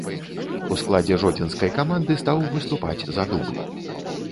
У складзе жодзінскай каманды стаў выступаць за дубль.